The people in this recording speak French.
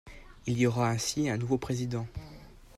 Il y aura ainsi un nouveau président.